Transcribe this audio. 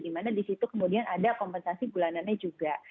dimana di situ kemudian ada kompensasi bulanannya juga